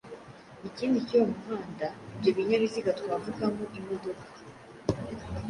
ikindi cy’uwo muhanda. Ibyo binyabiziga twavugamo imodoka